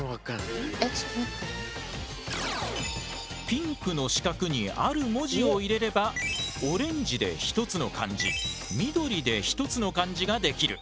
ピンクの四角にある文字を入れればオレンジで１つの漢字緑で１つの漢字が出来る。